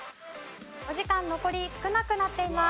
お時間残り少なくなっています。